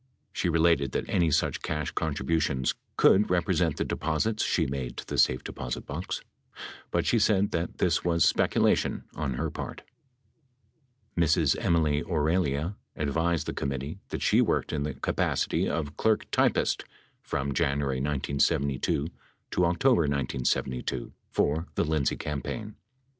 She related that any such cash contribu 563 tions could represent the deposits she made to the safe deposit box; but she said that, this was speculation on her part. Ms. Emily Aurelia advised the committee that she worked in the capacity of clerk/typist from January 1972 to October 1972 for the Lindsay campaign.